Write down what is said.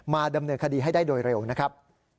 ดำเนินคดีให้ได้โดยเร็วนะครับ